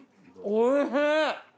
おいしい！